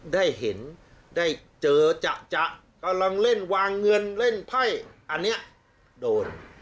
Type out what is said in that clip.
ได้เห็นได้เจอจะจะกำลังเล่นวางเงินเล่นไพ่อันอันนี้โดน